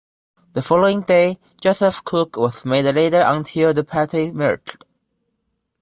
The following day, Joseph Cook was made leader until the parties merged.